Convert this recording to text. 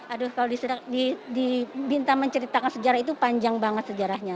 aduh kalau dibinta menceritakan sejarah itu panjang banget sejarahnya